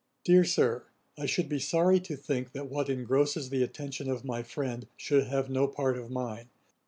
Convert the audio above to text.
'DEAR SIR, 'I should be sorry to think that what engrosses the attention of my friend, should have no part of mine.